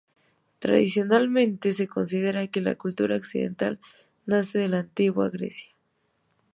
Tradicionalmente se considera que la cultura occidental nace en la antigua Grecia.